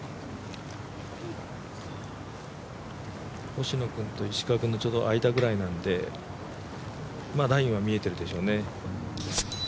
星野君と石川君のちょうど間くらいなので、ラインは見えてるでしょうね。